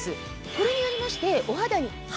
これによりまして。